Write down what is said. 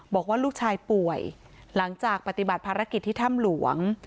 บอกว่าลูกชายป่วยหลังจากปฏิบัติภารกิจที่ถ้ำหลวง